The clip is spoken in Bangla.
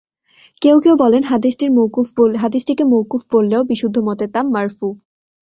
কেউ কেউ বলেন, হাদীসটিকে মওকুফ বললেও বিশুদ্ধ মতে তা মারফু।